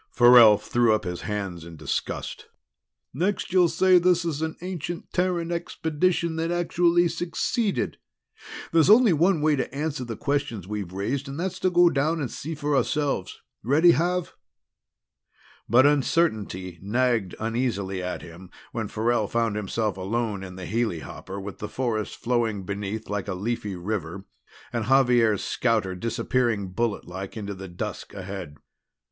Farrell threw up his hands in disgust. "Next you'll say this is an ancient Terran expedition that actually succeeded! There's only one way to answer the questions we've raised, and that's to go down and see for ourselves. Ready, Xav?" But uncertainty nagged uneasily at him when Farrell found himself alone in the helihopper with the forest flowing beneath like a leafy river and Xavier's scouter disappearing bulletlike into the dusk ahead.